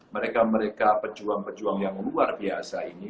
mereka mereka pejuang pejuang yang luar biasa ini